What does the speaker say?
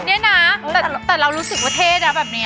เนี่ยนะแต่เรารู้สึกว่าเท่นะแบบนี้